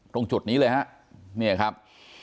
ตรงจุดนี้เลยฮะเนี่ยครับ